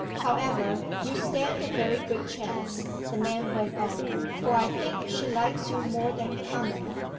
'However, you stand a very good chance,' the man went on, 'for I think she likes you more than common.